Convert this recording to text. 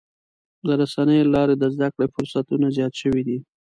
د رسنیو له لارې د زدهکړې فرصتونه زیات شوي دي.